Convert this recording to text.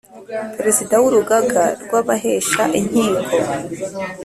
Perezida w urugaga rw abahesha inkiko